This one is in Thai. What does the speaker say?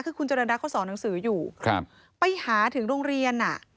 คือคุณเจริญรัฐเขาสอนหนังสืออยู่ไปหาถึงโรงเรียนอ่ะ